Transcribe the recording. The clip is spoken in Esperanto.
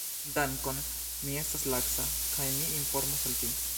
Dankon, mi estas laca, kaj mi informos al vi